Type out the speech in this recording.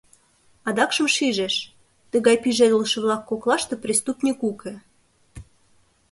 Адакшым шижеш: тыгай пижедылше-влак коклаште преступник уке.